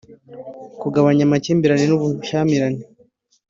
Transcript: kugabanya amakimbirane n’ubushyamirane